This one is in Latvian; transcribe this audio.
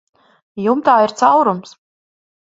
Jumtā ir caurums.